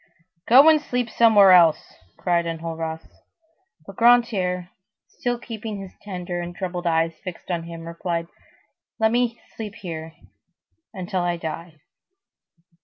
"Go and sleep somewhere else," cried Enjolras. But Grantaire, still keeping his tender and troubled eyes fixed on him, replied:— "Let me sleep here,—until I die."